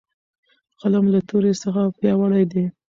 قلم له تورې څخه پیاوړی دی.